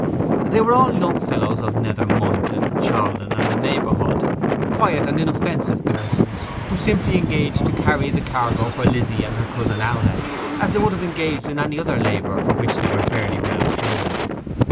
They were all young fellows of Nether Moynton, Chaldon, and the neighbourhood, quiet and inoffensive persons, who simply engaged to carry the cargo for Lizzy and her cousin Owlett, as they would have engaged in any other labour for which they were fairly well paid.